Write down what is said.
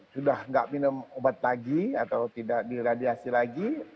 sudah tidak minum obat lagi atau tidak diradiasi lagi